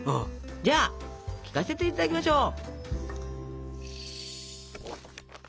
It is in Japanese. じゃあ聞かせていただきましょう！